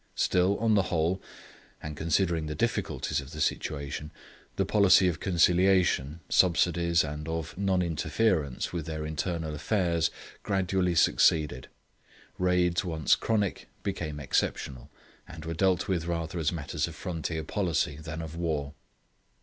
Still, on the whole, and considering the difficulties of the situation, the policy of conciliation, subsidies, and of non interference with their internal affairs, gradually succeeded; raids once chronic became exceptional, and were dealt with rather as matters of frontier policy than of war.